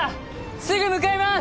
すぐ向かいます！